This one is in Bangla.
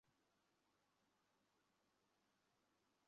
চমৎকার, এভাবেই থাকো।